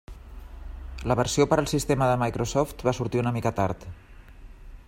La versió per al sistema de Microsoft va sortir una mica tard.